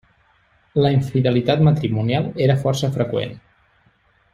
La infidelitat matrimonial era força freqüent.